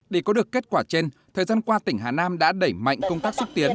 để có được kết quả trên thời gian qua tỉnh hà nam đã đẩy mạnh công tác xúc tiến